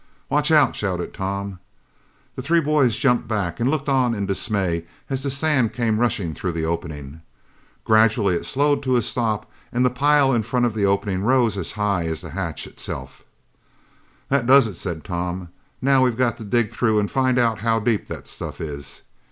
"Watch out!" shouted Tom. The three boys jumped back and looked on in dismay as the sand came rushing through the opening. Gradually it slowed to a stop and the pile in front of the opening rose as high as the hatch itself. "That does it," said Tom. "Now we've got to dig through and find out how deep that stuff is.